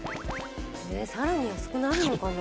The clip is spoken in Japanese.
さらに安くなるのかな？